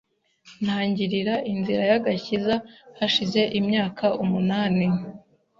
ntangira inzira y’agakiza hashize imyaka umunani